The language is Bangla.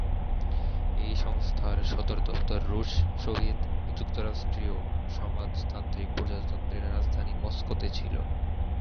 এই সংস্থার সদর দপ্তর রুশ সোভিয়েত যুক্তরাষ্ট্রীয় সমাজতান্ত্রিক প্রজাতন্ত্রের রাজধানী মস্কোতে ছিল।